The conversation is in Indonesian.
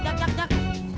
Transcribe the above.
ejak ejak ejak